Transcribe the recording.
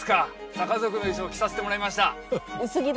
サカ族の衣装着させてもらいました